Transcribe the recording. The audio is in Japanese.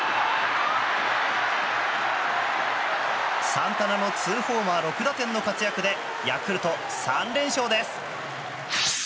サンタナの２ホーマー６打点の活躍でヤクルト、３連勝です。